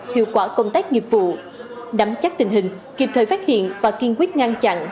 hiệu quả công tác nghiệp vụ nắm chắc tình hình kịp thời phát hiện và kiên quyết ngăn chặn